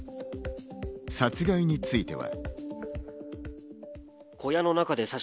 殺害については。